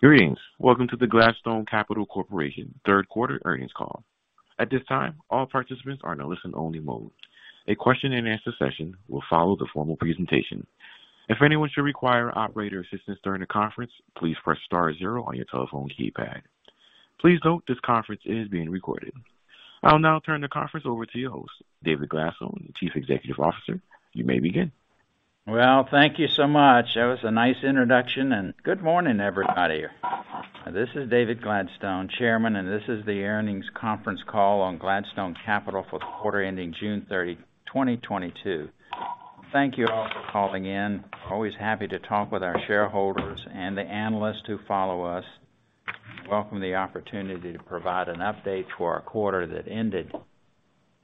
Greetings. Welcome to the Gladstone Capital Corporation third quarter earnings call. At this time, all participants are in a listen only mode. A question and answer session will follow the formal presentation. If anyone should require operator assistance during the conference, please press star zero on your telephone keypad. Please note this conference is being recorded. I'll now turn the conference over to your host, David Gladstone, Chief Executive Officer. You may begin. Well, thank you so much. That was a nice introduction and good morning, everybody. This is David Gladstone, Chairman, and this is the earnings conference call on Gladstone Capital for the quarter ending June 30, 2022. Thank you all for calling in. Always happy to talk with our shareholders and the analysts who follow us. Welcome the opportunity to provide an update for our quarter that ended.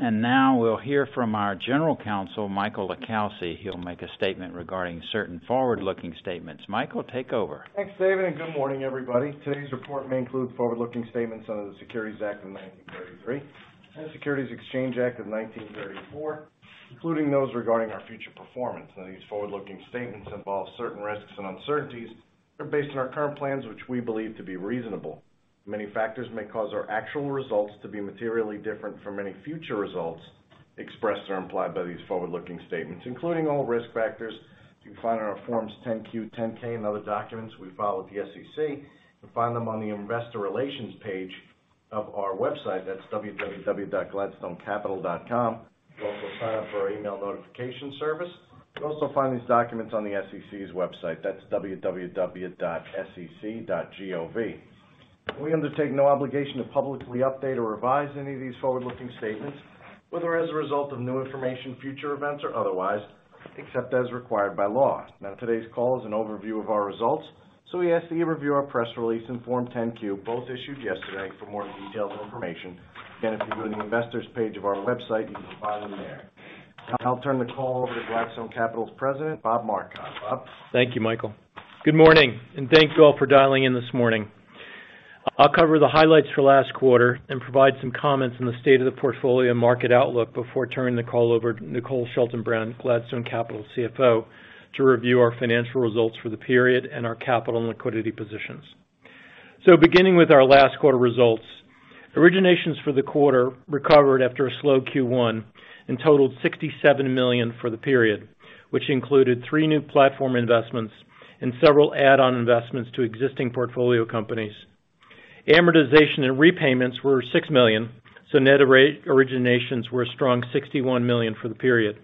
Now we'll hear from our General Counsel, Michael LiCalsi. He'll make a statement regarding certain forward-looking statements. Michael, take over. Thanks, David, and good morning, everybody. Today's report may include forward-looking statements under the Securities Act of 1933 and the Securities Exchange Act of 1934, including those regarding our future performance. Now these forward-looking statements involve certain risks and uncertainties. They're based on our current plans, which we believe to be reasonable. Many factors may cause our actual results to be materially different from any future results expressed or implied by these forward-looking statements, including all risk factors you can find in our Forms 10-Q, 10-K and other documents we file with the SEC. You can find them on the investor relations page of our website. That's www.gladstonecapital.com. You can also sign up for our email notification service. You'll also find these documents on the SEC's website. That's www.sec.gov. We undertake no obligation to publicly update or revise any of these forward-looking statements, whether as a result of new information, future events, or otherwise, except as required by law. Now, today's call is an overview of our results. We ask that you review our press release in Form 10-Q, both issued yesterday for more detailed information. Again, if you go to the investors page of our website, you can find them there. Now I'll turn the call over to Gladstone Capital's President, Bob Marcotte. Bob. Thank you, Michael. Good morning, and thank you all for dialing in this morning. I'll cover the highlights for last quarter and provide some comments on the state of the portfolio market outlook before turning the call over to Nicole Schaltenbrand, Gladstone Capital's CFO, to review our financial results for the period and our capital and liquidity positions. Beginning with our last quarter results. Originations for the quarter recovered after a slow Q1 and totaled $67 million for the period, which included three new platform investments and several add-on investments to existing portfolio companies. Amortization and repayments were $6 million, so net origination were a strong $61 million for the period.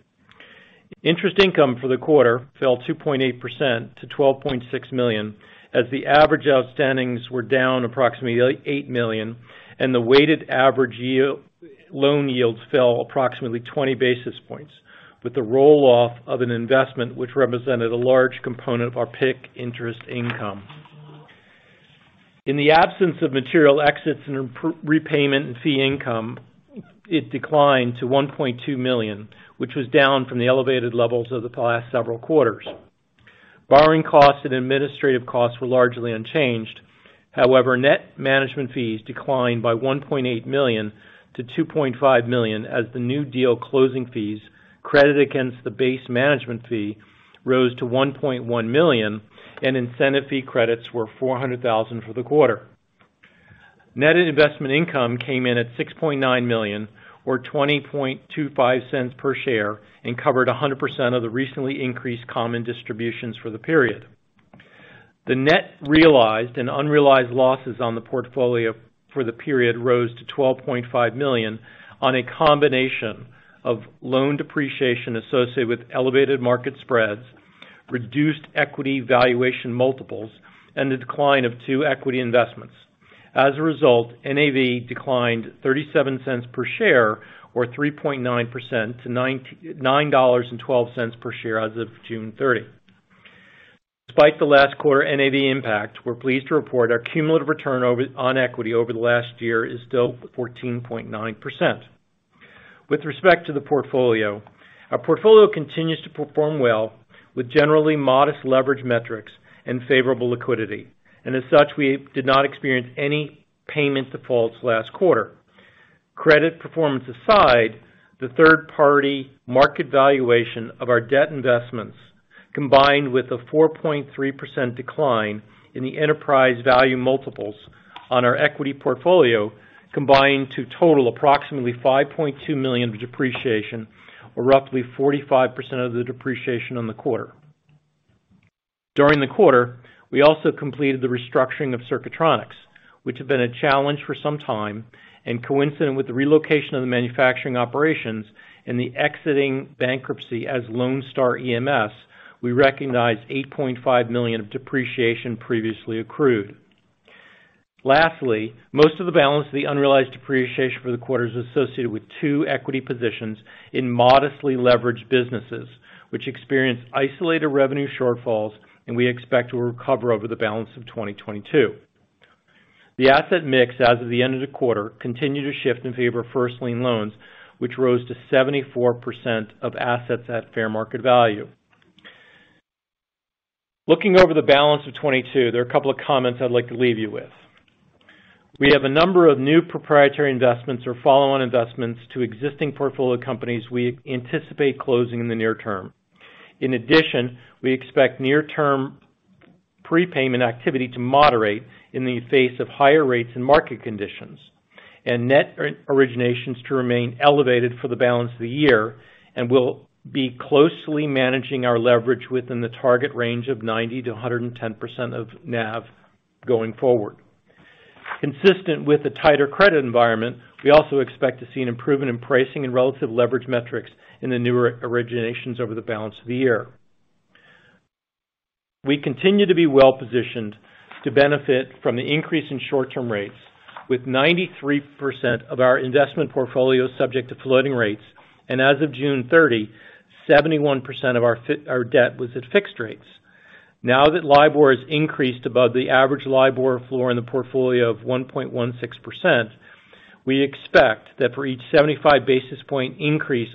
Interest income for the quarter fell 2.8% to $12.6 million, as the average outstandings were down approximately $8 million and the weighted average yield, loan yields fell approximately 20 basis points, with the roll-off of an investment which represented a large component of our PIK interest income. In the absence of material exits and repayment and fee income, it declined to $1.2 million, which was down from the elevated levels of the past several quarters. Borrowing costs and administrative costs were largely unchanged. However, net management fees declined by $1.8 million-$2.5 million as the new deal closing fees credited against the base management fee rose to $1.1 million, and incentive fee credits were $400,000 for the quarter. Net investment income came in at $6.9 million or $20.25 per share and covered 100% of the recently increased common distributions for the period. The net realized and unrealized losses on the portfolio for the period rose to $12.5 million on a combination of loan depreciation associated with elevated market spreads, reduced equity valuation multiples, and the decline of two equity investments. As a result, NAV declined $0.37 per share or 3.9% to $9.12 per share as of June 30. Despite the last quarter NAV impact, we're pleased to report our cumulative return on equity over the last year is still 14.9%. With respect to the portfolio, our portfolio continues to perform well with generally modest leverage metrics and favorable liquidity. As such, we did not experience any payment defaults last quarter. Credit performance aside, the third-party market valuation of our debt investments, combined with a 4.3% decline in the enterprise value multiples on our equity portfolio, combined to total approximately $5.2 million of depreciation or roughly 45% of the depreciation on the quarter. During the quarter, we also completed the restructuring of Circuitronics, which had been a challenge for some time and coincident with the relocation of the manufacturing operations and the exiting bankruptcy as Lonestar EMS, we recognized $8.5 million of depreciation previously accrued. Lastly, most of the balance of the unrealized depreciation for the quarter is associated with two equity positions in modestly leveraged businesses, which experienced isolated revenue shortfalls and we expect to recover over the balance of 2022. The asset mix as of the end of the quarter continued to shift in favor of first lien loans, which rose to 74% of assets at fair market value. Looking over the balance of 2022, there are a couple of comments I'd like to leave you with. We have a number of new proprietary investments or follow-on investments to existing portfolio companies we anticipate closing in the near-term. In addition, we expect near-term prepayment activity to moderate in the face of higher rates and market conditions and net originations to remain elevated for the balance of the year. We'll be closely managing our leverage within the target range of 90%-110% of NAV going forward. Consistent with the tighter credit environment, we also expect to see an improvement in pricing and relative leverage metrics in the newer originations over the balance of the year. We continue to be well positioned to benefit from the increase in short-term rates with 93% of our investment portfolio subject to floating rates. As of June 30, 71% of our debt was at fixed rates. Now that LIBOR has increased above the average LIBOR floor in the portfolio of 1.16%, we expect that for each 75 basis points increase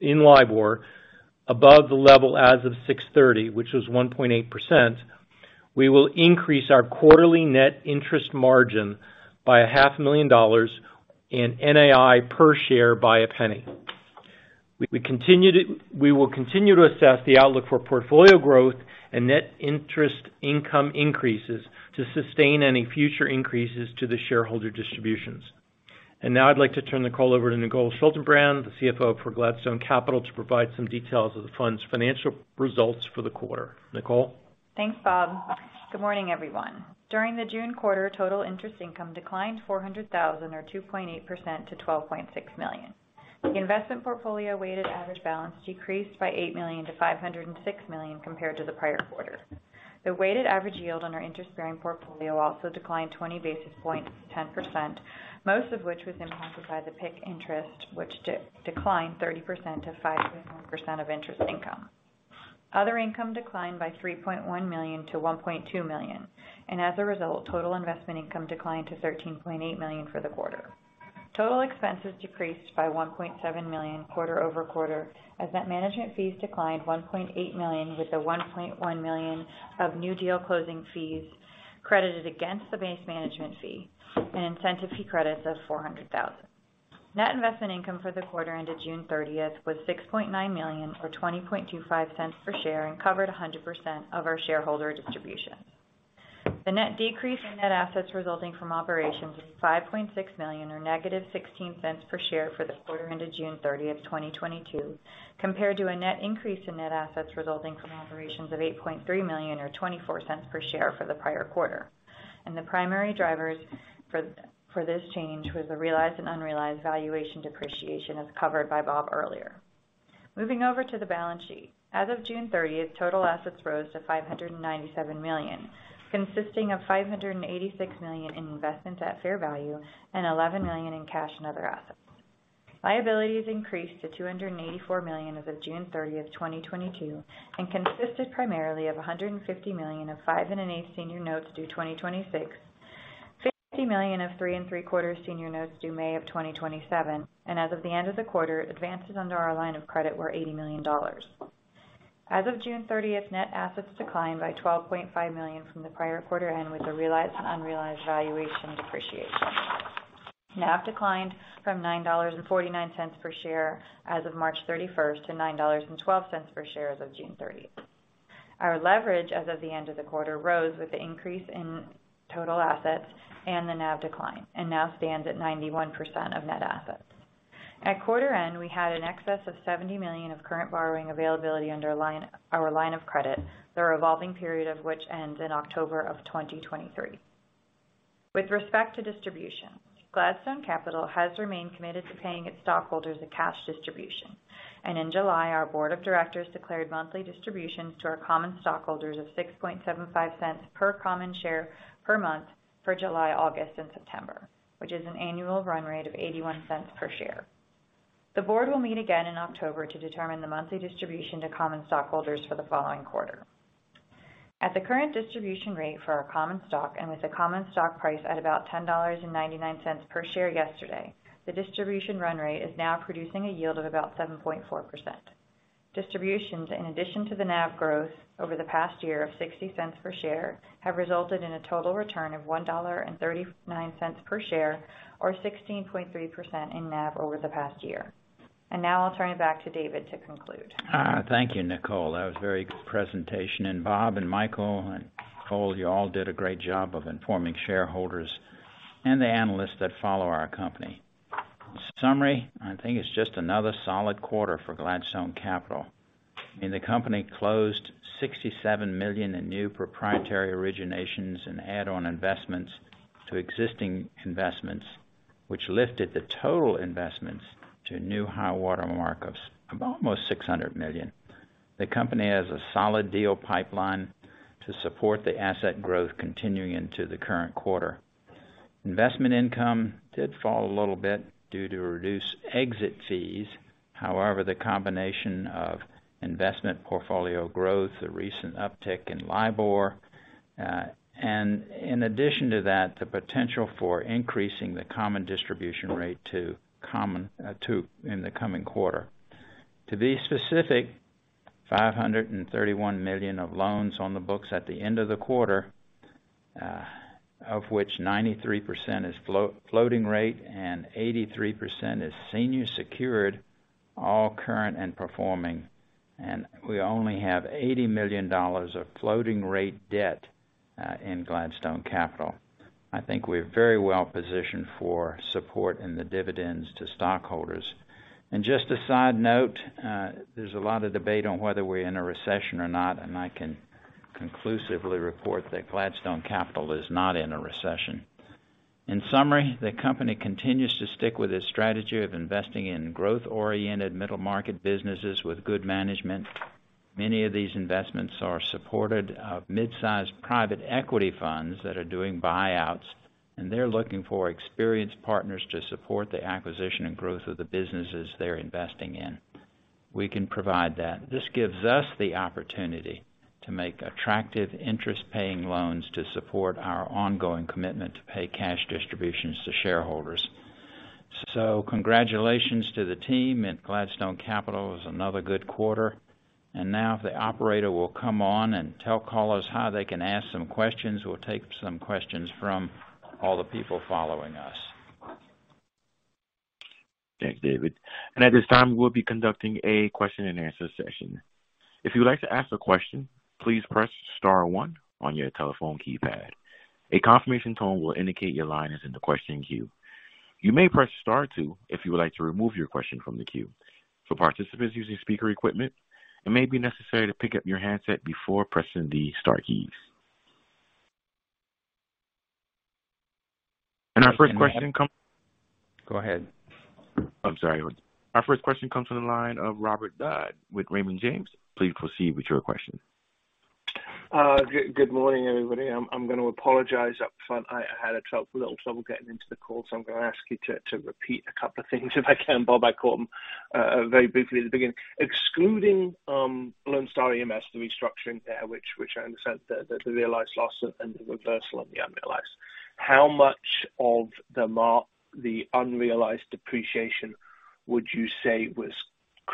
in LIBOR above the level as of June 30, which was 1.8%, we will increase our quarterly net interest margin by $500,000 and NII per share by a penny. We will continue to assess the outlook for portfolio growth and net interest income increases to sustain any future increases to the shareholder distributions. Now I'd like to turn the call over to Nicole Schaltenbrand, the CFO for Gladstone Capital, to provide some details of the fund's financial results for the quarter. Nicole? Thanks, Bob. Good morning, everyone. During the June quarter, total interest income declined $400,000 or 2.8% to $12.6 million. The investment portfolio weighted average balance decreased by $8 million-$506 million compared to the prior quarter. The weighted average yield on our interest-bearing portfolio also declined 20 basis points to 10%, most of which was impacted by the PIK interest, which declined 30%-5.1% of interest income. Other income declined by $3.1 million-$1.2 million. As a result, total investment income declined to $13.8 million for the quarter. Total expenses decreased by $1.7 million quarter-over-quarter, as net management fees declined $1.8 million, with the $1.1 million of new deal closing fees credited against the base management fee and incentive fee credits of $400,000. Net investment income for the quarter ended June 30th was $6.9 million or $20.25 per share and covered 100% of our shareholder distribution. The net decrease in net assets resulting from operations was $5.6 million or -$0.16 per share for the quarter ended June 30th, 2022, compared to a net increase in net assets resulting from operations of $8.3 million or $0.24 per share for the prior quarter. The primary drivers for this change was the realized and unrealized valuation depreciation, as covered by Bob earlier. Moving over to the balance sheet. As of June 30th, total assets rose to $597 million, consisting of $586 million in investments at fair value and $11 million in cash and other assets. Liabilities increased to $284 million as of June 30th, 2022, and consisted primarily of $150 million of 5.125% senior notes due 2026, $50 million of 3.75% senior notes due May 2027. As of the end of the quarter, advances under our line of credit were $80 million. As of June 30th, net assets declined by $12.5 million from the prior quarter and with the realized and unrealized valuation depreciation. NAV declined from $9.49 per share as of March 31st to $9.12 per share as of June 30th. Our leverage as of the end of the quarter rose with the increase in total assets and the NAV decline and now stands at 91% of net assets. At quarter end, we had an excess of $70 million of current borrowing availability under our line of credit, the revolving period of which ends in October 2023. With respect to distribution, Gladstone Capital has remained committed to paying its stockholders a cash distribution. In July, our board of directors declared monthly distributions to our common stockholders of $6.75 per common share per month for July, August, and September, which is an annual run rate of $0.81 per share. The board will meet again in October to determine the monthly distribution to common stockholders for the following quarter. At the current distribution rate for our common stock and with a common stock price at about $10.99 per share yesterday, the distribution run rate is now producing a yield of about 7.4%. Distributions in addition to the NAV growth over the past year of $0.60 per share have resulted in a total return of $1.39 per share or 16.3% in NAV over the past year. Now I'll turn it back to David to conclude. Thank you, Nicole. That was a very good presentation. Bob and Michael and Nicole, you all did a great job of informing shareholders and the analysts that follow our company. In summary, I think it's just another solid quarter for Gladstone Capital. I mean, the company closed $67 million in new proprietary originations and add-on investments to existing investments, which lifted the total investments to a new high water mark of almost $600 million. The company has a solid deal pipeline to support the asset growth continuing into the current quarter. Investment income did fall a little bit due to reduced exit fees. However, the combination of investment portfolio growth, the recent uptick in LIBOR, and in addition to that, the potential for increasing the common distribution rate to common two in the coming quarter. To be specific. $531 million of loans on the books at the end of the quarter, of which 93% is floating rate and 83% is senior secured, all current and performing. We only have $80 million of floating rate debt in Gladstone Capital. I think we're very well-positioned to support the dividends to stockholders. Just a side note, there's a lot of debate on whether we're in a recession or not, and I can conclusively report that Gladstone Capital is not in a recession. In summary, the company continues to stick with its strategy of investing in growth-oriented middle-market businesses with good management. Many of these investments are supported by mid-sized private equity funds that are doing buyouts, and they're looking for experienced partners to support the acquisition and growth of the businesses they're investing in. We can provide that. This gives us the opportunity to make attractive interest paying loans to support our ongoing commitment to pay cash distributions to shareholders. Congratulations to the team at Gladstone Capital. It was another good quarter. Now, the operator will come on and tell callers how they can ask some questions. We'll take some questions from all the people following us. Thanks, David. At this time, we'll be conducting a question and answer session. If you would like to ask a question, please press star one on your telephone keypad. A confirmation tone will indicate your line is in the question queue. You may press star two if you would like to remove your question from the queue. For participants using speaker equipment, it may be necessary to pick up your handset before pressing the star keys. Our first question comes Go ahead. I'm sorry. Our first question comes from the line of Robert Dodd with Raymond James. Please proceed with your question. Good morning, everybody. I'm gonna apologize up front. I had a little trouble getting into the call, so I'm gonna ask you to repeat a couple of things if I can. Bob, I caught very briefly at the beginning. Excluding Lonestar EMS, the restructuring there, which I understand the realized loss and the reversal of the unrealized, how much of the unrealized depreciation would you say was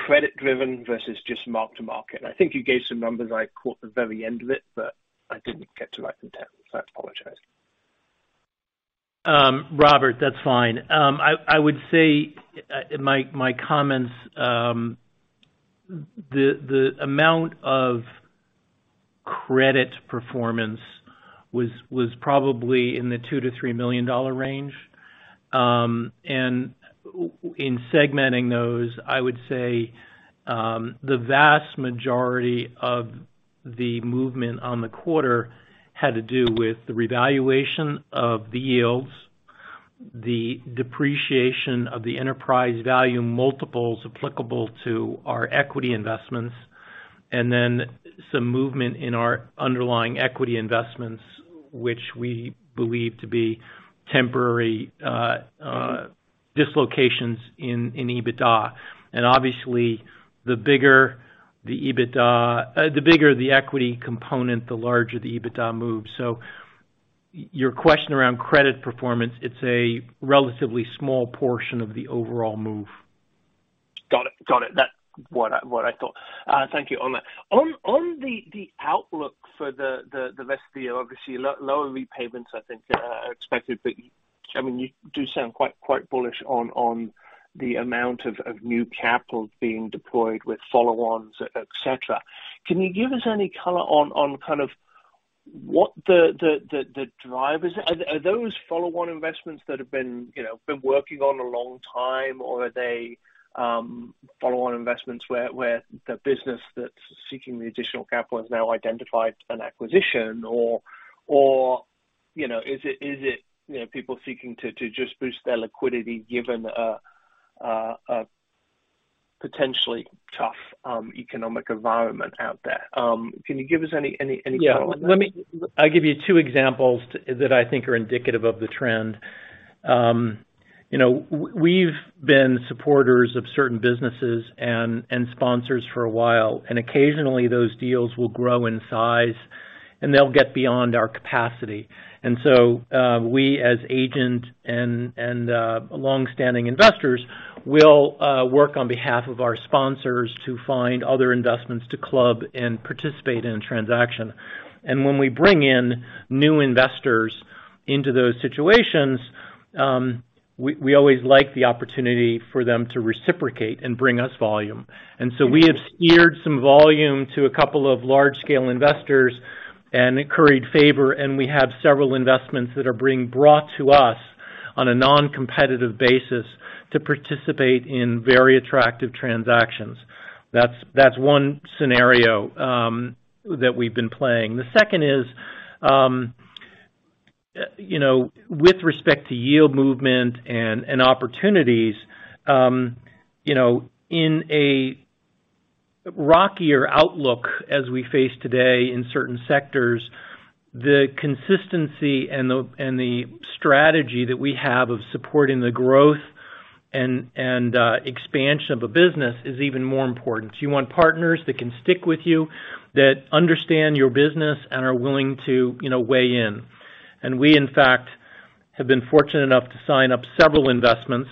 credit-driven versus just mark-to-market? I think you gave some numbers. I caught the very end of it, but I didn't get to write them down, so I apologize. Robert, that's fine. I would say in my comments, the amount of credit performance was probably in the $2 million-$3 million range. In segmenting those, I would say, the vast majority of the movement on the quarter had to do with the revaluation of the yields, the depreciation of the enterprise value multiples applicable to our equity investments, and then some movement in our underlying equity investments, which we believe to be temporary, dislocations in EBITDA. Obviously, the bigger the EBITDA, the bigger the equity component, the larger the EBITDA moves. Your question around credit performance, it's a relatively small portion of the overall move. Got it. That's what I thought. Thank you on that. On the outlook for the rest of the year, obviously lower repayments, I think, are expected. I mean, you do sound quite bullish on the amount of new capital being deployed with follow-ons, et cetera. Can you give us any color on kind of what the drivers are? Are those follow-on investments that have been, you know, working on a long time? Or are they follow-on investments where the business that's seeking the additional capital has now identified an acquisition? Or, you know, is it people seeking to just boost their liquidity given a potentially tough economic environment out there? Can you give us any color on that? Yeah. Let me. I'll give you two examples that I think are indicative of the trend. you know, we've been supporters of certain businesses and sponsors for a while, and occasionally those deals will grow in size, and they'll get beyond our capacity. we as agent and longstanding investors will work on behalf of our sponsors to find other investments to club and participate in a transaction. When we bring in new investors into those situations, we always like the opportunity for them to reciprocate and bring us volume. we have steered some volume to a couple of large-scale investors and earned favor, and we have several investments that are being brought to us on a non-competitive basis to participate in very attractive transactions. That's one scenario that we've been playing. The second is, you know, with respect to yield movement and opportunities, you know, in a rockier outlook as we face today in certain sectors, the consistency and the strategy that we have of supporting the growth and expansion of a business is even more important. You want partners that can stick with you, that understand your business and are willing to, you know, weigh in. We, in fact, have been fortunate enough to sign up several investments,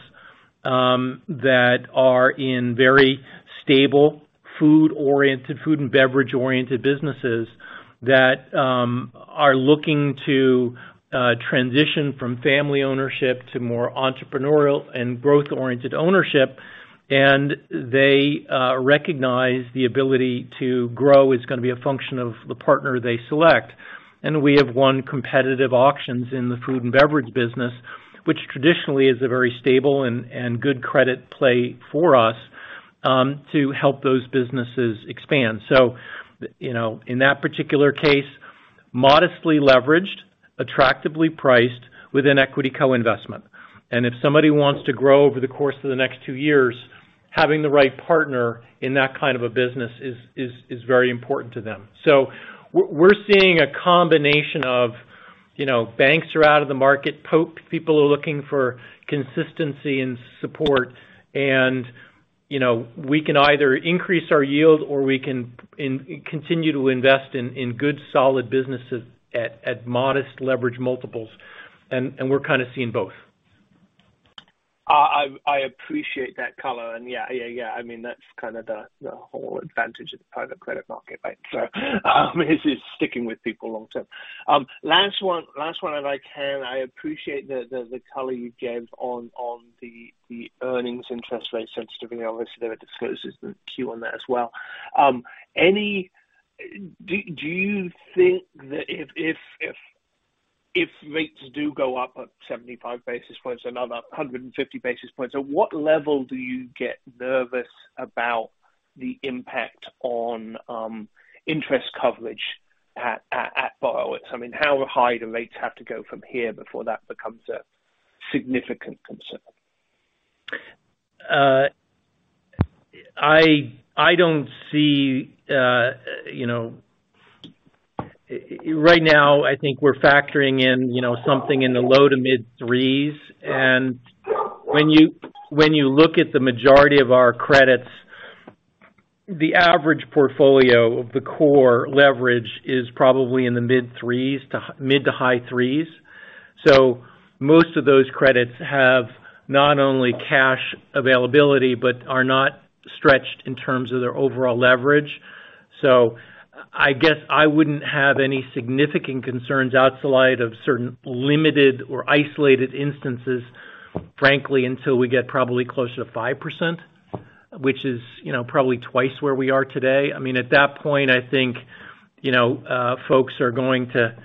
that are in very stable food-oriented, food and beverage-oriented businesses that, are looking to, transition from family ownership to more entrepreneurial and growth-oriented ownership. They recognize the ability to grow is gonna be a function of the partner they select. We have won competitive auctions in the food and beverage business, which traditionally is a very stable and good credit play for us to help those businesses expand. You know, in that particular case, modestly leveraged, attractively priced with an equity co-investment. If somebody wants to grow over the course of the next two years, having the right partner in that kind of a business is very important to them. We're seeing a combination of, you know, banks are out of the market. People are looking for consistency and support. You know, we can either increase our yield or we can continue to invest in good, solid businesses at modest leverage multiples. We're kind of seeing both. I appreciate that color and yeah. I mean, that's kind of the whole advantage of the private credit market, right? Is just sticking with people long-term. Last one if I can. I appreciate the color you gave on the earnings interest rate sensitivity. Obviously, there were disclosures in the Q on that as well. Do you think that if rates do go up at 75 basis points, another 150 basis points, at what level do you get nervous about the impact on interest coverage at borrowers? I mean, how high do rates have to go from here before that becomes a significant concern? I don't see, you know, right now, I think we're factoring in, you know, something in the low to mid threes. When you look at the majority of our credits, the average portfolio of the core leverage is probably in the mid threes to mid to high threes. Most of those credits have not only cash availability, but are not stretched in terms of their overall leverage. I guess I wouldn't have any significant concerns outside of certain limited or isolated instances, frankly, until we get probably closer to 5%, which is, you know, probably twice where we are today. I mean, at that point, I think, you know, folks are going to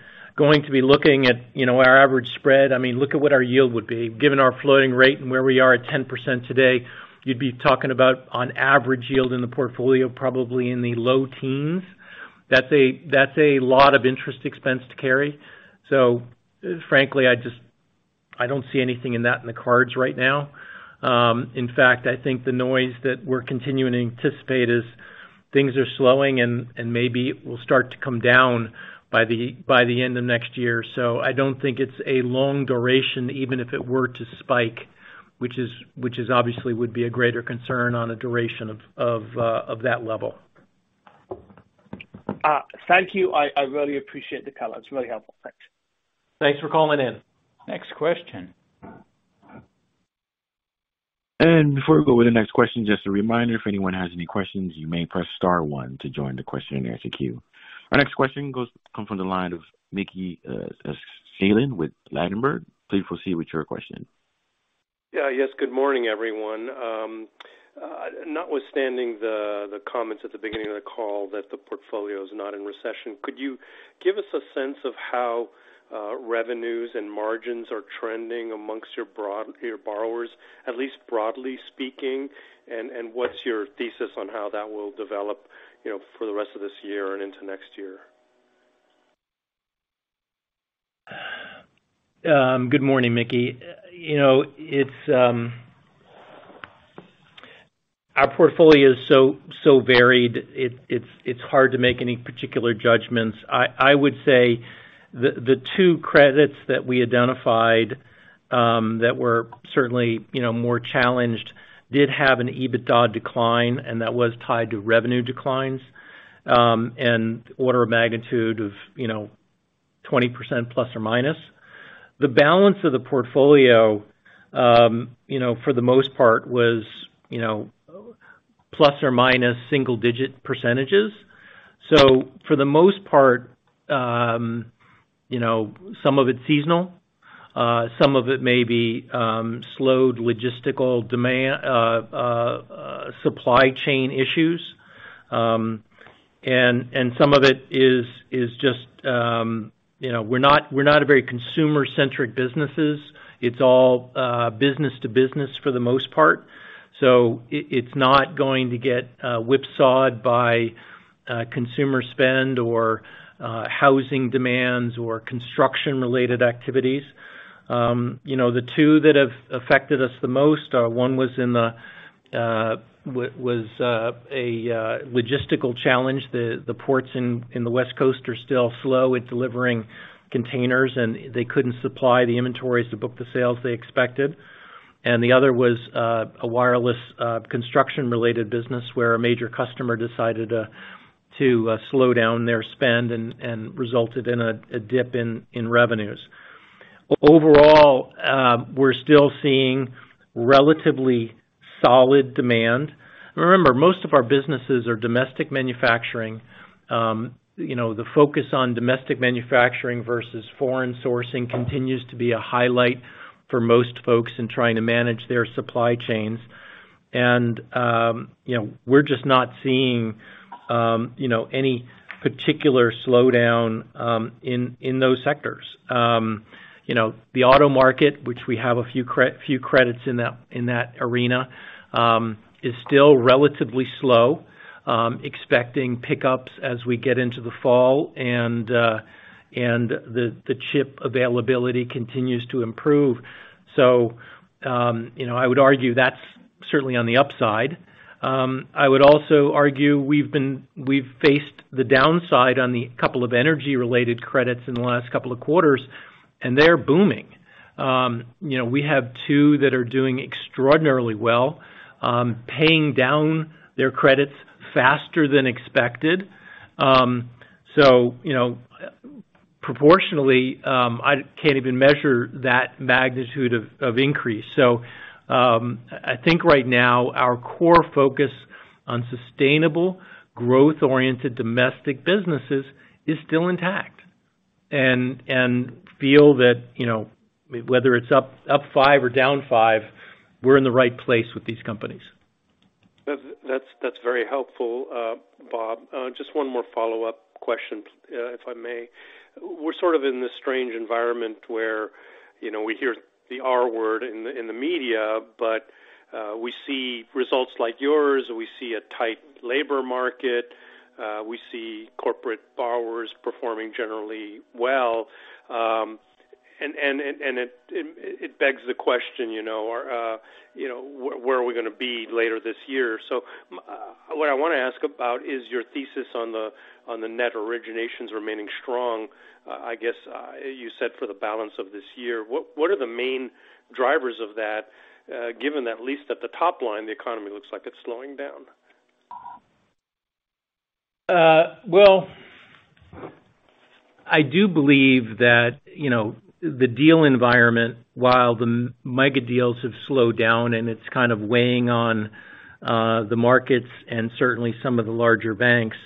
be looking at, you know, our average spread. I mean, look at what our yield would be. Given our floating rate and where we are at 10% today, you'd be talking about on average yield in the portfolio, probably in the low teens. That's a lot of interest expense to carry. Frankly, I just don't see anything in the cards right now. In fact, I think the noise that we're continuing to anticipate is things are slowing and maybe will start to come down by the end of next year. I don't think it's a long duration, even if it were to spike, which is obviously would be a greater concern on a duration of that level. Thank you. I really appreciate the color. It's really helpful. Thanks. Thanks for calling in. Next question. Before we go with the next question, just a reminder, if anyone has any questions, you may press star one to join the question and answer queue. Our next question comes from the line of Mickey Schleien with Ladenburg. Please proceed with your question. Yeah. Yes, good morning, everyone. Notwithstanding the comments at the beginning of the call that the portfolio is not in recession, could you give us a sense of how revenues and margins are trending amongst your borrowers, at least broadly speaking? And what's your thesis on how that will develop, you know, for the rest of this year and into next year? Good morning, Mickey. You know, our portfolio is so varied. It's hard to make any particular judgments. I would say the two credits that we identified that were certainly, you know, more challenged did have an EBITDA decline, and that was tied to revenue declines and order of magnitude of, you know, 20% ±. The balance of the portfolio, you know, for the most part was, you know, plus or minus single-digit percentages. For the most part, you know, some of it's seasonal, some of it may be slowed logistical demand, supply chain issues. Some of it is just, you know, we're not a very consumer-centric businesses. It's all business-to-business for the most part. It's not going to get whipsawed by consumer spend or housing demands or construction-related activities. You know, the two that have affected us the most are one was in the was a logistical challenge. The ports in the West Coast are still slow at delivering containers, and they couldn't supply the inventories to book the sales they expected. The other was a wireless construction-related business where a major customer decided to slow down their spend and resulted in a dip in revenues. Overall, we're still seeing relatively solid demand. Remember, most of our businesses are domestic manufacturing. You know, the focus on domestic manufacturing versus foreign sourcing continues to be a highlight for most folks in trying to manage their supply chains. You know, we're just not seeing, you know, any particular slowdown, in those sectors. You know, the auto market, which we have a few credits in that arena, is still relatively slow, expecting pickups as we get into the fall and the chip availability continues to improve. You know, I would argue that's certainly on the upside. I would also argue we've faced the downside on the couple of energy-related credits in the last couple of quarters, and they're booming. You know, we have two that are doing extraordinarily well, paying down their credits faster than expected. You know, proportionally, I can't even measure that magnitude of increase. I think right now, our core focus on sustainable growth-oriented domestic businesses is still intact. feel that, you know, whether it's up 5% or down 5%, we're in the right place with these companies. That's very helpful, Bob. Just one more follow-up question, if I may. We're sort of in this strange environment where, you know, we hear the R-word in the media, but we see results like yours, we see a tight labor market, we see corporate borrowers performing generally well. It begs the question, you know, you know, where are we gonna be later this year? What I wanna ask about is your thesis on the net originations remaining strong. I guess you said for the balance of this year. What are the main drivers of that, given at least at the top line, the economy looks like it's slowing down? Well, I do believe that, you know, the deal environment, while the mega deals have slowed down and it's kind of weighing on the markets and certainly some of the larger banks,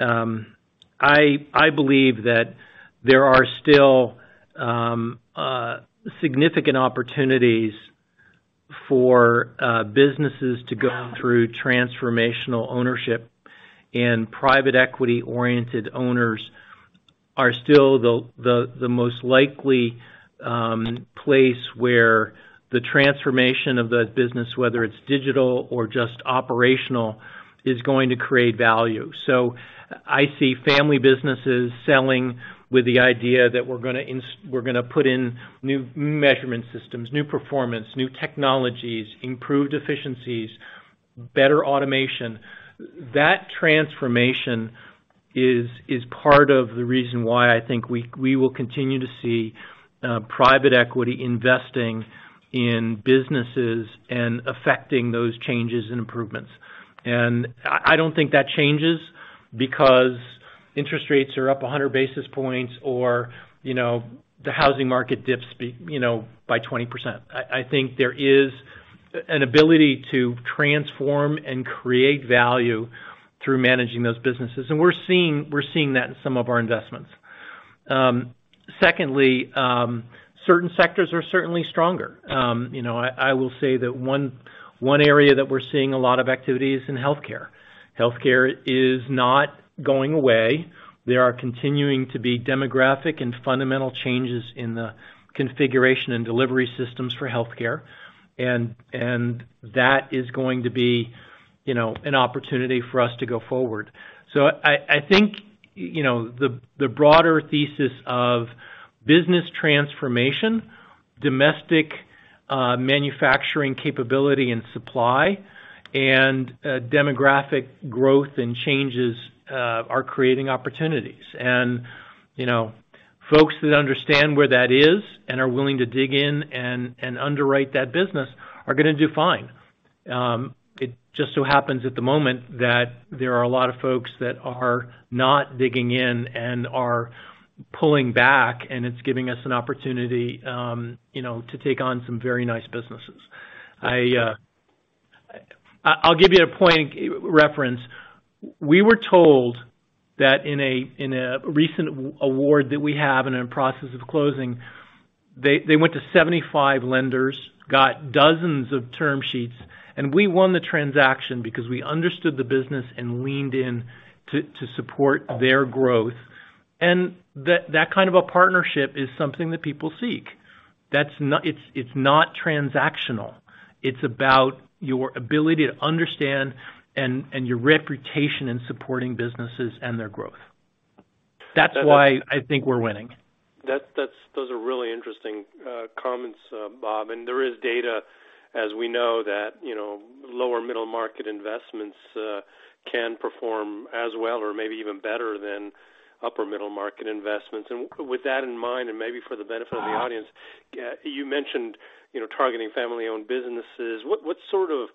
I believe that there are still significant opportunities for businesses to go through transformational ownership. Private equity-oriented owners are still the most likely place where the transformation of the business, whether it's digital or just operational, is going to create value. I see family businesses selling with the idea that we're gonna put in new measurement systems, new performance, new technologies, improved efficiencies, better automation. That transformation is part of the reason why I think we will continue to see private equity investing in businesses and affecting those changes and improvements. I don't think that changes because interest rates are up 100 basis points or, you know, the housing market dips, you know, by 20%. I think there is an ability to transform and create value through managing those businesses. We're seeing that in some of our investments. Secondly, certain sectors are certainly stronger. You know, I will say that one area that we're seeing a lot of activity is in healthcare. Healthcare is not going away. There are continuing to be demographic and fundamental changes in the configuration and delivery systems for healthcare, and that is going to be, you know, an opportunity for us to go forward. I think, you know, the broader thesis of business transformation, domestic manufacturing capability and supply, and demographic growth and changes are creating opportunities. You know, folks that understand where that is and are willing to dig in and underwrite that business are gonna do fine. It just so happens at the moment that there are a lot of folks that are not digging in and are pulling back, and it's giving us an opportunity, you know, to take on some very nice businesses. I’ll give you a point reference. We were told that in a recent award that we have and in process of closing, they went to 75 lenders, got dozens of term sheets, and we won the transaction because we understood the business and leaned in to support their growth. That kind of a partnership is something that people seek. It's not transactional. It's about your ability to understand and your reputation in supporting businesses and their growth. That's why I think we're winning. Those are really interesting comments, Bob. There is data, as we know, that, you know, lower middle market investments can perform as well or maybe even better than upper middle market investments. With that in mind, and maybe for the benefit of the audience, you mentioned, you know, targeting family-owned businesses. What sort of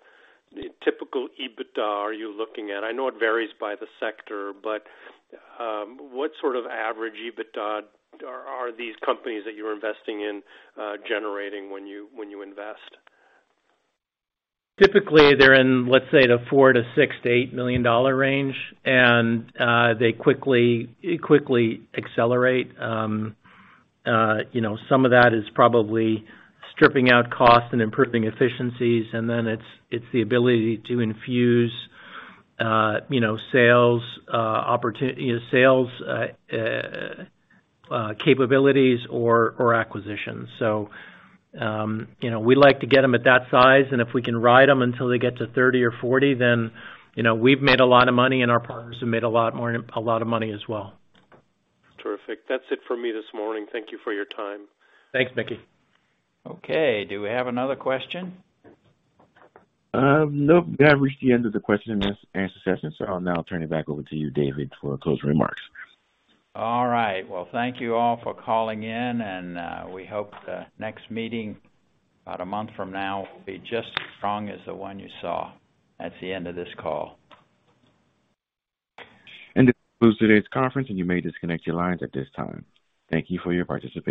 typical EBITDA are you looking at? I know it varies by the sector, but what sort of average EBITDA are these companies that you're investing in generating when you invest? Typically, they're in, let's say, the $4 million to $6 million to $8 million range. They quickly accelerate. You know, some of that is probably stripping out costs and improving efficiencies, and then it's the ability to infuse, you know, sales capabilities or acquisitions. We like to get them at that size, and if we can ride them until they get to $30 million or $40 million, then, you know, we've made a lot of money and our partners have made a lot of money as well. Terrific. That's it for me this morning. Thank you for your time. Thanks, Mickey. Okay. Do we have another question? Nope. We have reached the end of the question and answer session. I'll now turn it back over to you, David, for closing remarks. All right. Well, thank you all for calling in, and we hope the next meeting, about a month from now, will be just as strong as the one you saw at the end of this call. This concludes today's conference, and you may disconnect your lines at this time. Thank you for your participation.